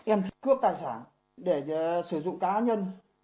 em cướp tài sản để sử dụng cá nhân